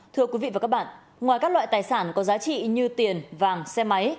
thưa quý vị và các bạn ngoài các loại tài sản có giá trị như tiền vàng xe máy